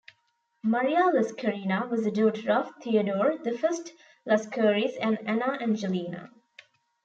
Maria Laskarina was a daughter of Theodore the First Lascaris and Anna Angelina.